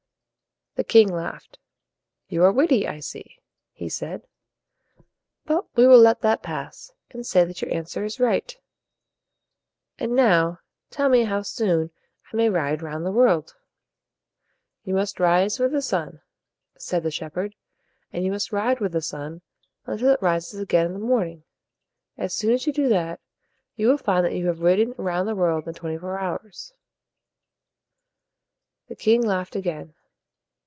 The king laughed. "You are witty, I see," he said. "But we will let that pass, and say that your answer is right. And now tell me how soon I may ride round the world." [Illustration: "You shall live until the day that you die."] "You must rise with the sun," said the shepherd, "and you must ride with the sun until it rises again the next morning. As soon as you do that, you will find that you have ridden round the world in twenty four hours." The king laughed again.